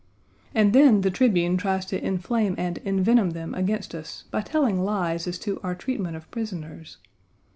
And then, the Tribune tries to inflame and envenom them against us by telling lies as to our treatment of prisoners.